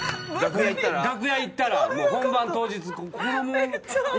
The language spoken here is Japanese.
楽屋行ったら本番当日子ども。